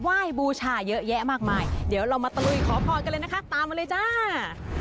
ยบูชาเยอะแยะมากมายเดี๋ยวเรามาตะลุยขอพรกันเลยนะคะตามมาเลยจ้า